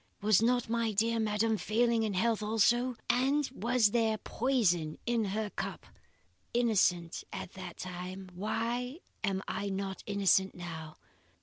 Was not my dear madam failing in health also; and was there poison in her cup? Innocent at that time, why am I not innocent now?